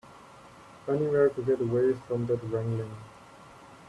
Anywhere to get away from that wrangling.